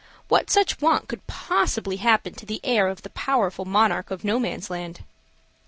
What such want could possibly happen to the heir of the powerful monarch of Nomansland?